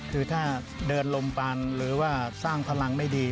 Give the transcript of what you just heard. คือถ้าเดินลมปันหรือว่าสร้างพลังไม่ดี